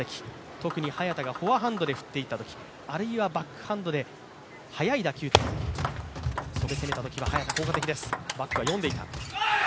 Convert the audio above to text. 特に早田がフォアハンドで振っていったとき、あるいはバックハンドで速い打球点、そこで攻めたときは早田、効果的です。